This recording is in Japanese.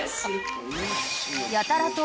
［やたらと］